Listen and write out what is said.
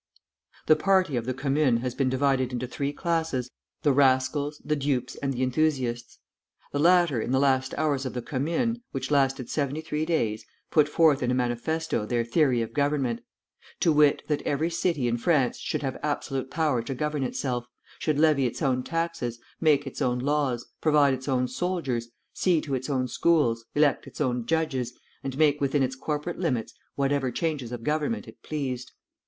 The party of the Commune has been divided into three classes, the rascals, the dupes, and the enthusiasts. The latter in the last hours of the Commune (which lasted seventy three days) put forth in a manifesto their theory of government; to wit, that every city in France should have absolute power to govern itself, should levy its own taxes, make its own laws, provide its own soldiers, see to its own schools, elect its own judges, and make within its corporate limits whatever changes of government it pleased.